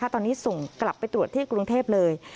ตอนนี้ส่งกลับไปตรวจที่กรุงเทพเลย